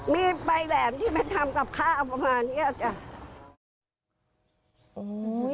มีไปแหลมที่มันทำกับข้าวประมาณนี้